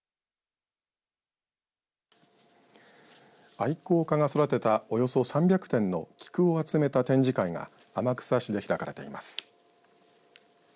愛好家が育てたおよそ３００点の菊を集めた展示会が天草市で開かれています。